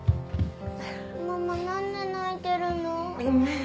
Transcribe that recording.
ママなんで泣いてるの？